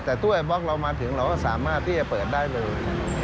แต่ตัวไอบล็อกเรามาถึงเราก็สามารถที่จะเปิดได้เลย